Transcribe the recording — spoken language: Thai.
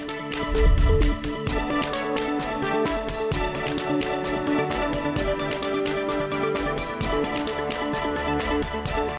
โปรดติดตามตอนต่อไป